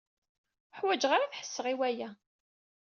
Ur ḥwaǧeɣ ara ad ḥesseɣ i waya.